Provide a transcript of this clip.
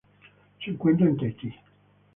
Se encuentra en Tahití.